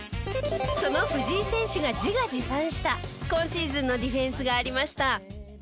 その藤井選手が自画自賛した今シーズンのディフェンスがありました。